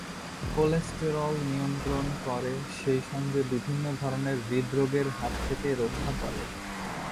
Cholesterol নিয়ন্ত্রণ করে, সেই সঙ্গে বিভিন্ন ধরনের হৃদরোগের হাত থেকে রক্ষা করে।